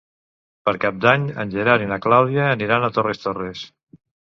Per Cap d'Any en Gerard i na Clàudia aniran a Torres Torres.